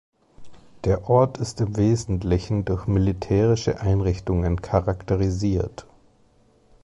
Der Ort ist im Wesentlichen durch militärische Einrichtungen charakterisiert.